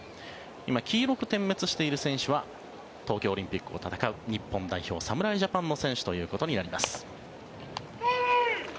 今、黄色く点滅している選手は東京オリンピックを戦う日本代表侍ジャパンの選手となります。